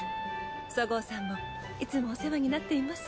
十河さんもいつもお世話になっています。